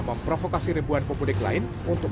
memprovokasi ribuan pemudik lain untuk